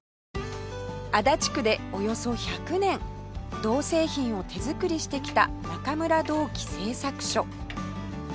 足立区でおよそ１００年銅製品を手作りしてきた中村銅器製作所